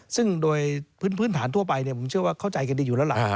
ซึ่งโดยพื้นฐานทั่วไปผมเชื่อว่าเข้าใจกันดีอยู่แล้วล่ะ